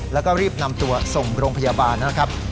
แล้วก็รีบนำตัวส่งโรงพยาบาลนะครับ